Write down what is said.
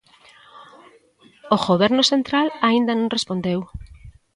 O Goberno central aínda non respondeu.